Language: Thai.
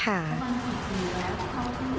ประมาณ๖ปีแล้วค่ะ